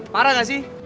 parah gak sih